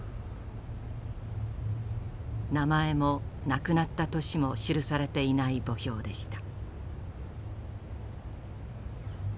名前も亡くなった年も記されていない墓標でした。